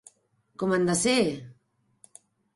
Com han de ser?